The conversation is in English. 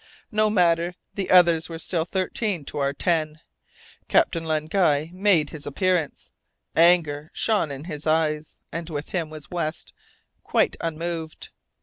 No matter. The others were still thirteen to our ten. Captain Len Guy made his appearance; anger shone in his eyes, and with him was West, quite unmoved.